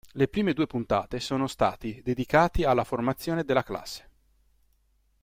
Le prime due puntate sono stati dedicati alla formazione della classe.